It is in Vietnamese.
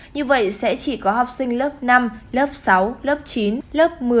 như vậy sẽ chỉ có học sinh lớp năm lớp sáu lớp chín lớp một mươi